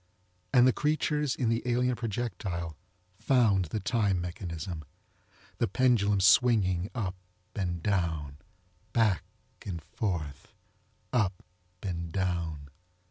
And the creatures in the alien projectile found the time mechanism, the pendulum swinging up and down, back and forth, up and down.